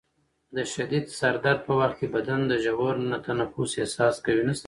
د شدید سر درد په وخت کې بدن د ژور تنفس احساس کوي.